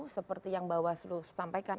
seperti yang bawaslu sampaikan